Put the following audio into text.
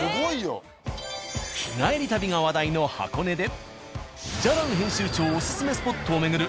日帰り旅が話題の箱根で「じゃらん」編集長オススメスポットを巡る